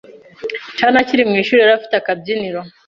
Chan akiri mu ishuri yari afite akabyiniriro